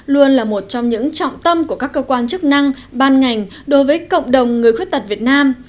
luôn là một trong những trọng tâm của các cơ quan chức năng ban ngành đối với cộng đồng người khuyết tật việt nam